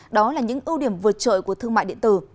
đó là những ưu điểm vượt trội của thương mại điện tử